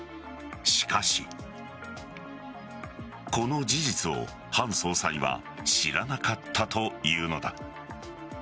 しかしこの事実を、ハン総裁は知らなかったというのだ。